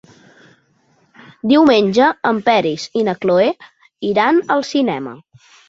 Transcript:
Diumenge en Peris i na Cloè iran al cinema.